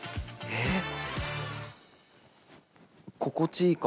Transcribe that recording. えっ？